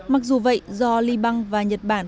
mặc dù vậy do lyby và nhật bản